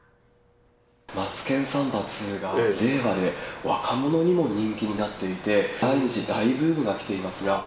マツケンサンバＩＩが令和で若者にも人気になっていて、第２次大ブームが来ていますが。